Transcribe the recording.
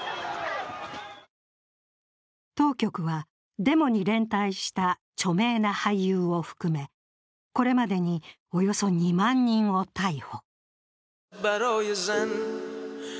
当局は、デモに連帯した著名な俳優を含めこれまでにおよそ２万人を逮捕。